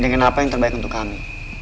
dengan apa yang terbaik untuk kami